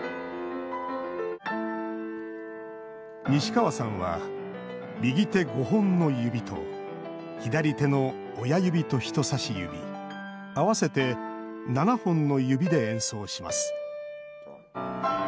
西川さんは右手５本の指と左手の親指と人さし指合わせて７本の指で演奏します。